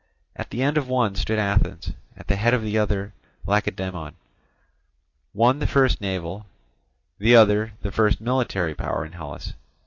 At the end of the one stood Athens, at the head of the other Lacedaemon, one the first naval, the other the first military power in Hellas.